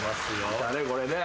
いたねこれね。